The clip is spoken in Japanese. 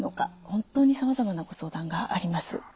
本当にさまざまなご相談があります。